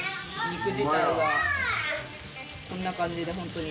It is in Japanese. こんな感じでホントに。